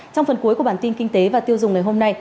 trong phần cuối của bản tin kinh tế và tiêu dùng ngày hôm nay